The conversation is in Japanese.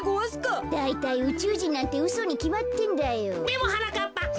でもはなかっぱ